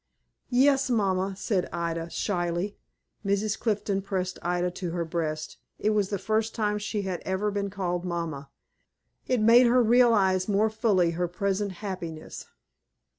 "Yes, mamma," said Ida, shyly. Mrs. Clifton pressed Ida to her breast. It was the first time she had ever been called mamma. It made her realize, more fully, her present happiness.